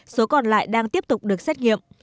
số còn lại đang tiếp tục được xét nghiệm